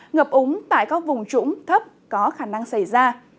ngập úng tại các vùng trũng thấp có khả năng xảy ra